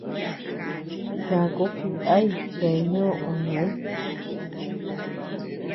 Chaku jinay chéa ñoʼoo.